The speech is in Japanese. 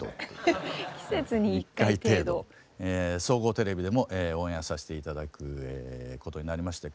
１回程度総合テレビでもオンエアさして頂くことになりまして。